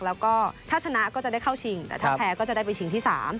แล้วก็ถ้าชนะก็จะได้เข้าชิงแต่ถ้าแพ้ก็จะได้ไปชิงที่๓